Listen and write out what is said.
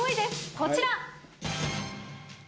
こちら。